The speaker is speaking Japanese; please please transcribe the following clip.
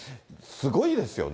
すごいですよね。